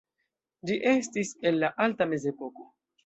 Ĝi estis el la alta mezepoko.